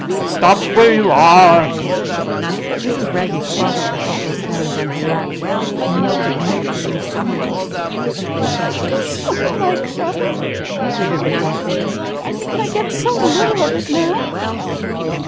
Stop where you are!" Mrs. Wragge crossed her helpless hands on her lap, and melted meekly into tears. "I do so like shopping," pleaded the poor creature; "and I get so little of it now!"